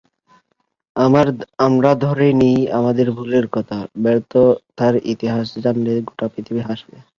আমরা ধরেই নিই আমাদের ভুলের কথা, ব্যর্থতার ইতিহাস জানলে গোটা পৃথিবী হাসবে।